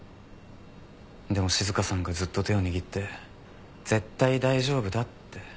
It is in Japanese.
でも静香さんがずっと手を握って絶対大丈夫だって。